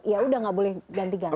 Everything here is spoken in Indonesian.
ya udah gak boleh ganti ganti